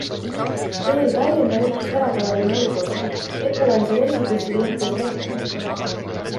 Teel Tallinna juhtus erakorraline olukord - Ecolines'i reisibussil lõhkes rehv.